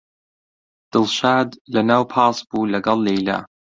دڵشاد لەناو پاس بوو لەگەڵ لەیلا.